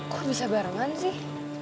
kok bisa barengan sih